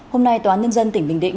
hôm nay tòa án nhân dân tỉnh bình định